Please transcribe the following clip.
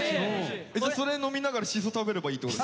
それ飲みながらしそ食べればいいってこと？